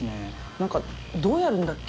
なんかどうやるんだっけ？